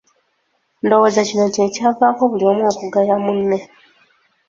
Ndowooza kino kyekyavaako buli omu okugaya munne.